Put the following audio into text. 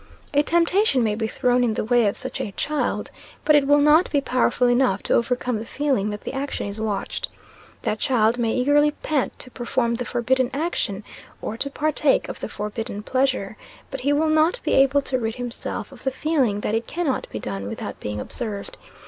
A temptation may be thrown in the way of such a child, but it will not be powerful enough to overcome the feeling that the action is watched. That child may eagerly pant to perform the forbidden action, or to partake of the forbidden pleasure; but he will not be able to rid himself of the feeling that it cannot be done without being observed.